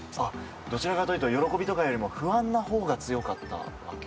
どちらかというと喜びとかよりも不安な方が強かったわけ？